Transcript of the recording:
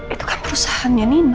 itu kan perusahaannya nino